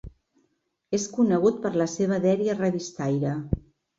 És conegut per la seva dèria revistaire.